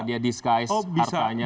dia disguise hartanya